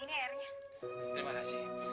wah padahal wah